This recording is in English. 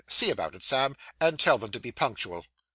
See about it, Sam, and tell them to be punctual.